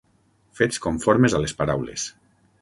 Fets conformes a les paraules.